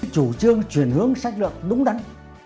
chủ trương chuyển hướng sách lượng đúng đắn